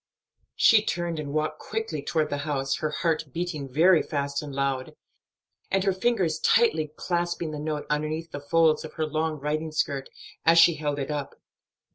She turned and walked quickly toward the house, her heart beating very fast and loud, and her fingers tightly clasping the note underneath the folds of her long riding skirt, as she held it up.